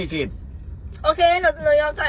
โอเคหนูยอมจ่าย